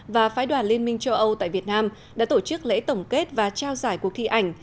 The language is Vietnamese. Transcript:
và phái đoàn liên minh châu âu tại việt nam đã tổ chức lễ tổng kết và trao giải cuộc thi ảnh